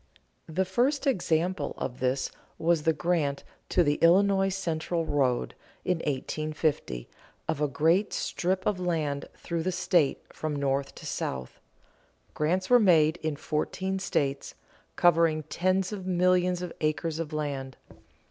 The first example of this was the grant to the Illinois Central road, in 1850, of a great strip of land through the state from north to south. Grants were made in fourteen states, covering tens of millions of acres of land.